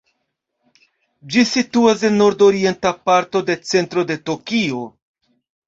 Ĝi situas en nord-orienta parto de centro de Tokio.